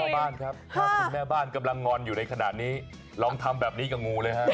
ต้องเป็นงูตัวเมียแน่นอน